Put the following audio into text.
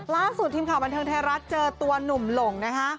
ล่าสุดทีมข่าวบันเทิงไทยรัฐเจอตัวหนุ่มหลงนะคะ